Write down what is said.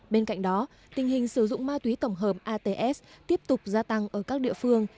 bên cạnh đó tình hình sử dụng ma túy tổng hợp ats tiếp tục gia tăng ở các địa phương